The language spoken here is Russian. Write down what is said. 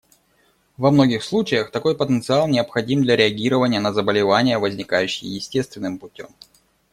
Во многих случаях такой потенциал необходим для реагирования на заболевания, возникающие естественным путем.